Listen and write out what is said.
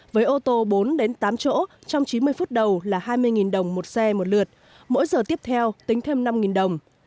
với ô tô bốn tám chỗ trong chín mươi phút đầu là hai mươi đồng một xe một lượt mỗi giờ tiếp theo tính thêm năm đồng